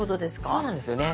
そうなんですよね。